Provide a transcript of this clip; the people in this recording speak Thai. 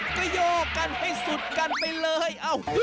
ก็โยกกันให้สุดกันไปเลยอ้าวฮึฮึฮ